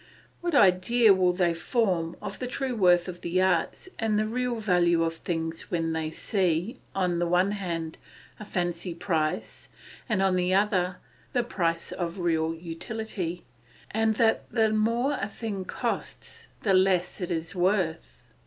What idea will they form of the true worth of the arts and the real value of things when they see, on the one hand, a fancy price and, on the other, the price of real utility, and that the more a thing costs the less it is worth?